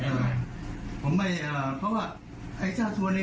ครับแล้วผลถ้าผมอ่าผมไม่อ่าเพราะว่าไอ้ชาติตัวนี้